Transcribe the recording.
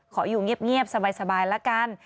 ขออยู่เงียบสบายแล้วกัน